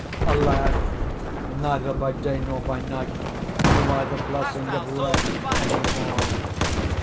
Alas! neither by day nor by night knew I the blessing of rest any more!